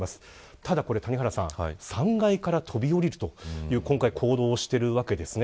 ただ、３階から飛び降りるという行動をしているわけですね。